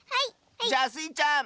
じゃあスイちゃん！